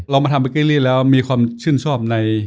มาทำเบเกอรี่แล้วมีความชื่นชอบใน